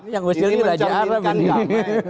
yang gue sendiri belajar apa ini